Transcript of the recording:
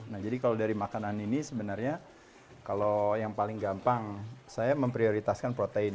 nah jadi kalau dari makanan ini sebenarnya kalau yang paling gampang saya memprioritaskan protein